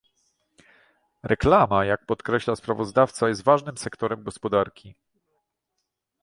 Reklama - jak podkreśla sprawozdawca - jest ważnym sektorem gospodarki